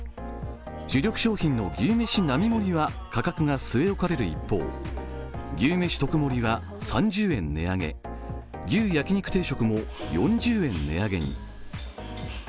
主力商品の牛めし並盛は価格が据え置かれる一方、牛めし特盛は３０円値上げ、牛焼肉定食も４０円値上げに。